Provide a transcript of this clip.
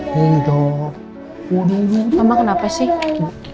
mama kenapa sih